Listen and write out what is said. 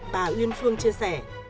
bà nguyên phương chia sẻ